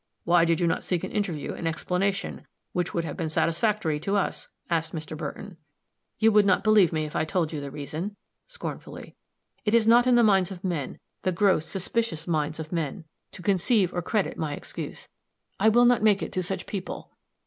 Why did you not seek an interview and explanation which would have been satisfactory to us?" asked Mr. Burton. "You would not believe me if I told you the reason," scornfully. "It is not in the minds of men the gross, suspicious minds of men to conceive or credit my excuse. I will not make it to such people."